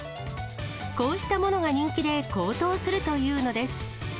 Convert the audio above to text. こうしたものが人気で高騰するというのです。